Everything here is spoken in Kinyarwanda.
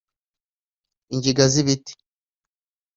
ingiga z’ibiti